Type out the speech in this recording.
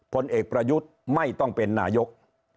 ผลเอกประยุทธ์ไม่ต้องเป็นนายก